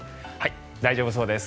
大丈夫そうです。